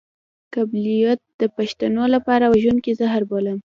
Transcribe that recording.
قبيلويت د پښتنو لپاره وژونکی زهر بولم.